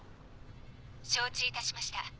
☎承知いたしました。